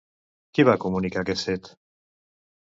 Qui va comunicar aquest fet?